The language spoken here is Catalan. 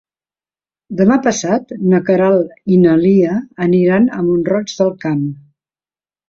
Demà passat na Queralt i na Lia aniran a Mont-roig del Camp.